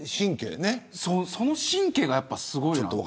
その神経がやっぱり、すごいなと。